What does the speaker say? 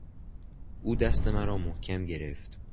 او دست مرا محکم گرفت.